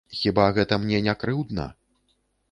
Хіба гэта мне не крыўдна?